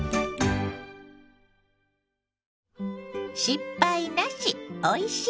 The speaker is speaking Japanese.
「失敗なし！